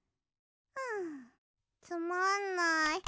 んつまんない。